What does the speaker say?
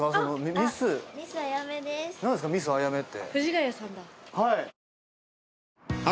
ミスあやめって。